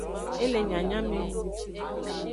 E le nyanyamenung.